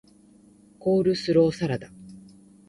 コールスローサラダ